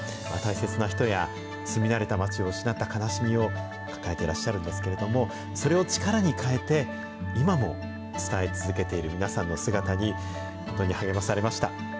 大切な人や、住み慣れた町を失った悲しみを抱えてらっしゃるんですけれども、それを力に変えて、今も伝え続けている皆さんの姿に、本当に励まされました。